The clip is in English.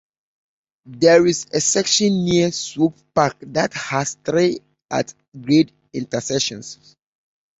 There is a section near Swope Park that has three at-grade intersections.